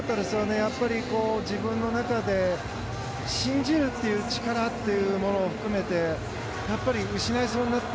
やっぱり自分の中で信じるという力というものを含めて失いそうになって。